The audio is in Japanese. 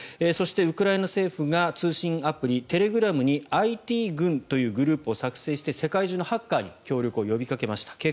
そして、ウクライナ政府が通信アプリ、テレグラムにＩＴ軍というグループを作成して世界中のハッカーに協力を呼びかけました。